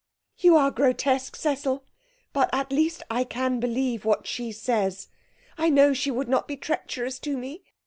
'You are grotesque, Cecil. But, at least, I can believe what she says. I know she would not be treacherous to me.'